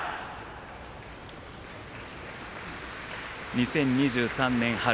２０２３年春。